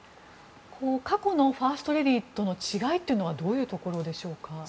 過去のファーストレディーとの違いはどういうところでしょうか。